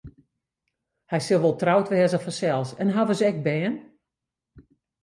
Hy sil wol troud wêze fansels en hawwe se ek bern?